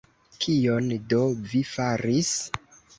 Kion do vi faris?